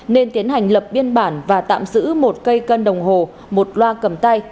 nên tiến hành lập biên bản và tạm giữ một cây cân đồng hồ một loa cầm tay